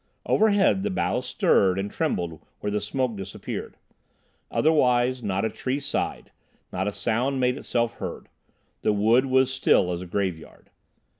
Overhead the boughs stirred and trembled where the smoke disappeared. Otherwise, not a tree sighed, not a sound made itself heard. The wood was still as a graveyard.